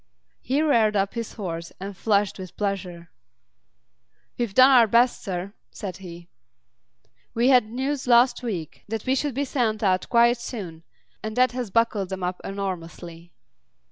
He reared up his horse and flushed with pleasure. "We've done our best, sir," said he. "We had news last week that we should be sent out quite soon, and that has bucked them up enormously."